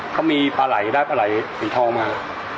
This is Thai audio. เขามีปลาไหล่ได้ปลาไหลสีทองมา